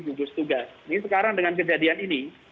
gugus tugas ini sekarang dengan kejadian ini